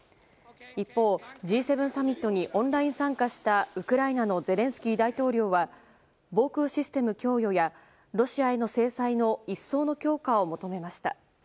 一方、Ｇ７サミットにオンライン参加したウクライナのゼレンスキー大統領は防空システム供与やロシアへの制裁の一層の強化を求めました。